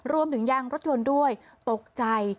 รวมถึงยางรถยนต์ด้วยตกใจ